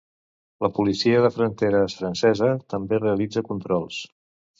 La policia de fronteres francesa també realitza controls.